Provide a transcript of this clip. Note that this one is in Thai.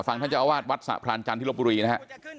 ท่านเจ้าอาวาสวัดสะพรานจันทร์ที่ลบบุรีนะฮะ